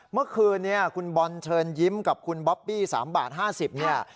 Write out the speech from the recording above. เมื่อคืนเนี่ยคุณบอลเชิญยิ้มกับคุณบ๊อบบี้๓บาท๕๐เนี่ย